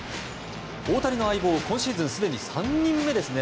大谷の相棒が今シーズンすでに３人目ですね。